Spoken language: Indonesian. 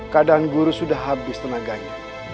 keadaan guru sudah habis tenaganya